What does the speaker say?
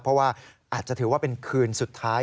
เพราะว่าอาจจะถือว่าเป็นคืนสุดท้าย